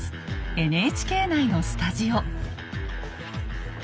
ＮＨＫ内のスタジオ。